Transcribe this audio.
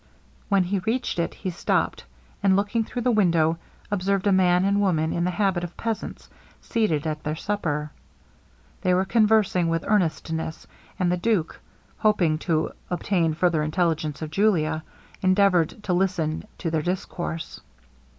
When he reached it he stopped, and looking through the window, observed a man and woman in the habit of peasants seated at their supper. They were conversing with earnestness, and the duke, hoping to obtain farther intelligence of Julia, endeavoured to listen to their discourse.